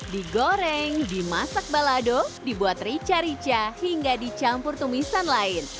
digoreng dimasak balado dibuat rica rica hingga dicampur tumisan lain